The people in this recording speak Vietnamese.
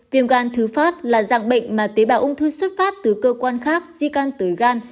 viêm gan thứ phát là dạng bệnh mà tế bào ung thư xuất phát từ cơ quan khác di căn tới gan